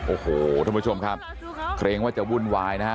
โอ้โหท่านผู้ชมครับเกรงว่าจะวุ่นวายนะฮะ